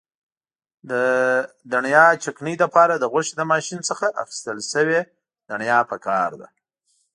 د دڼیا چکنۍ لپاره د غوښې له ماشین څخه ایستل شوې دڼیا پکار ده.